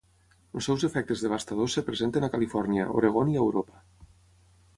Els seus efectes devastadors es presenten a Califòrnia, Oregon i a Europa.